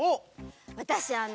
私あの。